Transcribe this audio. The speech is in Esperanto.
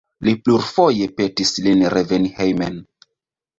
Li plurfoje petis lin reveni hejmen.